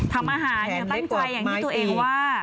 ทำอาหารตั้งใจอย่างที่ตัวเองว่า